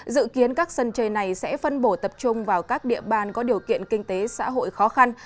dự kiến các sân chơi này sẽ phân bổ tập trung vào các địa bàn có điều kiện kinh tế xã hội khó khăn